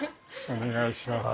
お願いします。